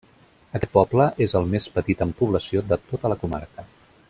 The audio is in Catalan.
Aquest poble és el més petit en població de tota la comarca.